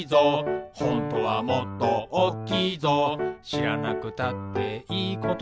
「しらなくたっていいことだけど」